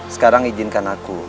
sekarang izinkan aku